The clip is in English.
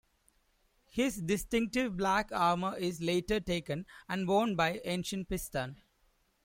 His distinctive black armour is later taken and worn by Ancient Pistol.